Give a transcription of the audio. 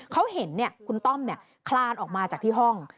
เขาเห็นคุณต้อมคลานออกมาจากที่ห้อง